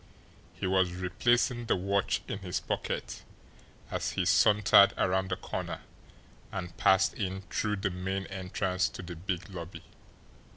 He was replacing the watch in his pocket as he sauntered around the corner, and passed in through the main entrance to the big lobby.